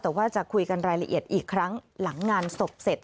แต่ว่าจะคุยกันรายละเอียดอีกครั้งหลังงานศพเสร็จ